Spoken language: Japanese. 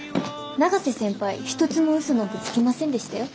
永瀬先輩一つも嘘なんてつきませんでしたよ。